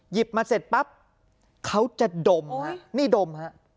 หยิบมาเสร็จปั๊บเขาจะดมนี่ดม